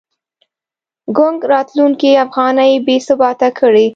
ګونګ راتلونکی افغانۍ بې ثباته کړې.